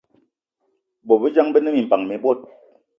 Bôbejang be ne minpan mi bot